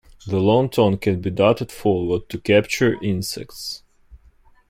The long tongue can be darted forward to capture insects.